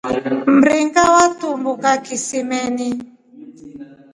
Mringa watumbuka kisimeni.